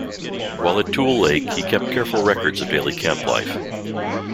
While at Tule Lake, he kept careful records of daily camp life.